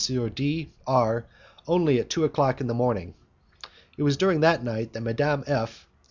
D R only at two o'clock in the morning. It was during that night that Madame F and M.